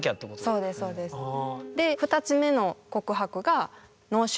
そうですそうです。あ。